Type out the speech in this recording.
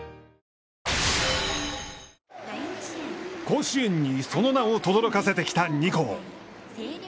甲子園にその名を轟かせてきた２校。